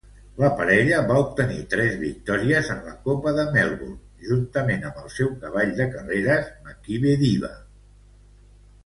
La parella va obtenir tres victòries en la Copa de Melbourne juntament amb el seu cavall de carreres, Makybe Diva.